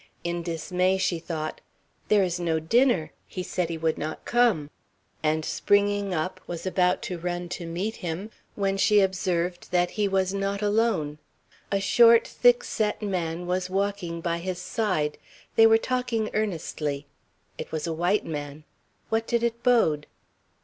In dismay, she thought, "There is no dinner! He said he would not come!" and springing up, was about to run to meet him, when she observed that he was not alone. A short, thick set man was walking by his side; they were talking earnestly. It was a white man. What did it bode?